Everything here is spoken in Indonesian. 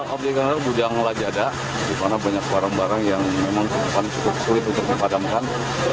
api gandang gudang lajada dimana banyak barang barang yang memang cukup sulit untuk dipadamkan